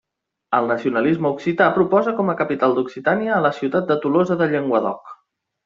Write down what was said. El nacionalisme occità proposa com a capital d'Occitània a la ciutat de Tolosa de Llenguadoc.